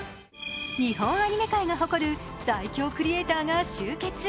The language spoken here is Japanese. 日本アニメ界が誇る最強クリエーターが集結。